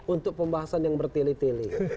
untuk pembahasan yang bertilih tilih